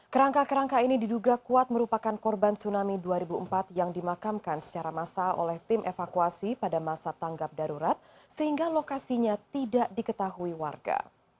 kerangka kerangka ini diduga kuat merupakan korban tsunami dua ribu empat yang dimakamkan secara massa oleh tim evakuasi pada masa tanggap darurat sehingga lokasinya tidak diketahui warga